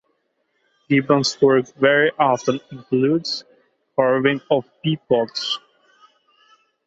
Gibbons' work very often includes carvings of peapods.